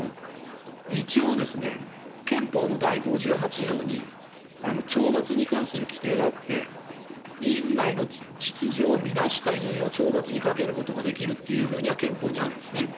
一応、憲法の第５８条に懲罰に関する規定があって院内の秩序を乱した議員を懲罰にかけることができるというふうには憲法にあるんですね。